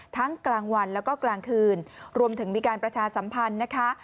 กลางวันแล้วก็กลางคืนรวมถึงมีการประชาสัมพันธ์นะคะ